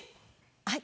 はい。